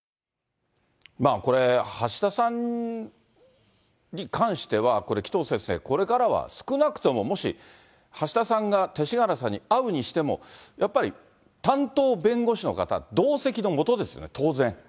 これ、橋田さんに関しては、紀藤先生、これからは少なくとも、もし橋田さんが勅使河原さんに会うにしても、やっぱり担当弁護士の方同席のもとですよね、当然。